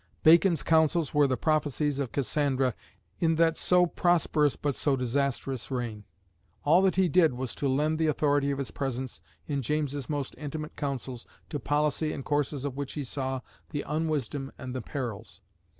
Bacon's counsels were the prophecies of Cassandra in that so prosperous but so disastrous reign. All that he did was to lend the authority of his presence, in James's most intimate counsels, to policy and courses of which he saw the unwisdom and the perils.